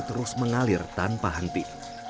terus mengalir tanpa henti